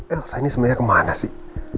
elsa ini sebenernya kemana sih